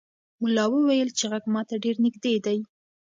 ملا وویل چې غږ ماته ډېر نږدې دی.